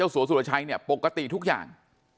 สัวสุรชัยเนี่ยปกติทุกอย่าง